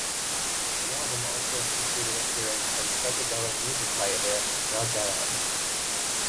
The album also featured an appearance from psychedelic music pioneer Raja Ram.